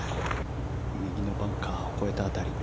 右のバンカーを越えた辺り。